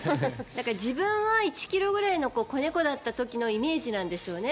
自分は１ｋｇぐらいの子猫だった時のイメージなんでしょうね